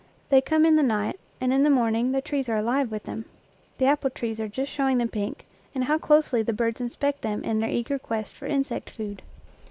They come in the night, and in the morning the trees are alive with them. The apple trees are just showing the pink, and how closely the birds inspect them in their eager quest for insect food!